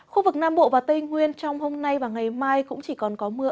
khu vực nam bộ và tây nguyên trong hôm nay và ngày mai cũng chỉ còn có mưa